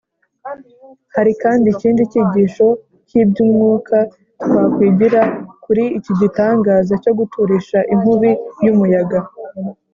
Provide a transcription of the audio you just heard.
hari kandi ikindi cyigisho cy’iby’umwuka twakwigira kuri iki gitangaza cyo guturisha inkubi y’umuyaga